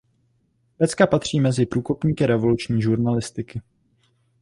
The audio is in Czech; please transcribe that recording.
Pecka patří mezi průkopníky revoluční žurnalistiky.